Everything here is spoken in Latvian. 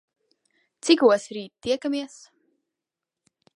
Cikos r?t tiekamies?